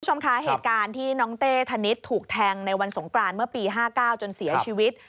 คุณผู้ชมคะเหตุการณ์ที่น้องเต้ธนิษฐ์ถูกแทงในวันสงกรานเมื่อปี๕๙จนเสียชีวิต